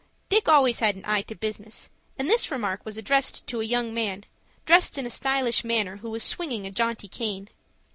Dick always had an eye to business, and this remark was addressed to a young man, dressed in a stylish manner, who was swinging a jaunty cane.